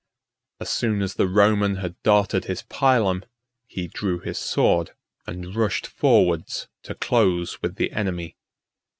As soon as the Roman had darted his pilum, he drew his sword, and rushed forwards to close with the enemy.